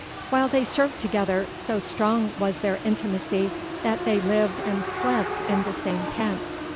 While they served together, so strong was their intimacy, that they lived and slept in the same tent.